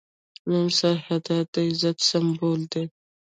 نن سرحدات د عزت سمبول دي.